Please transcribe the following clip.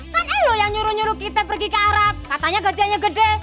kan elu yang nyuruh nyuruh kita pergi ke arab katanya kerjanya gede